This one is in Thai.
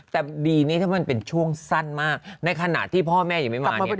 แต่ดีนี้ถ้ามันเป็นช่วงสั้นมากในขณะที่พ่อแม่ยังไม่มา